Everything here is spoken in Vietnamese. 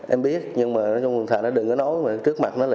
em biết nhưng mà nói chung là thằng nó đừng có nói